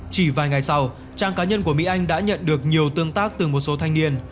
chỉ vài ngày sau trang cá nhân của mỹ anh đã nhận được nhiều tương tác từ một số thanh niên